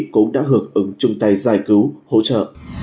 cũng đã hưởng ứng chung tay giải cứu hỗ trợ